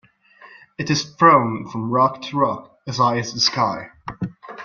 It is thrown from rock to rock as high as the sky.